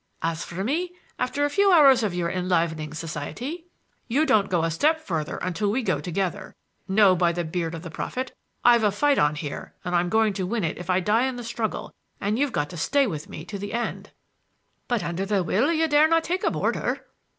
As for me, after a few hours of your enlivening society—" "You don't go a step until we go together,—no, by the beard of the prophet! I've a fight on here and I'm going to win if I die in the struggle, and you've got to stay with me to the end." "But under the will you dare not take a boarder."